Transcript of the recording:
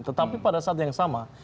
tetapi pada saat yang sama